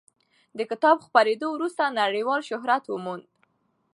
د کتاب خپرېدو وروسته نړیوال شهرت وموند.